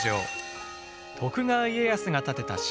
徳川家康が建てた城だ。